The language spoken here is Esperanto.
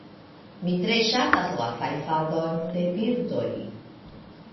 Mi tre ŝatas la fajfadon de birdoj.